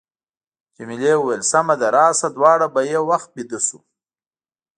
جميلې وويل:، سمه ده، راشه دواړه به یو وخت بېده شو.